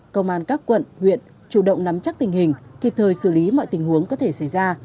công an các quận huyện chủ động nắm chắc tình hình kịp thời xử lý mọi tình huống có thể xảy ra